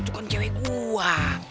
itu kan cewek gue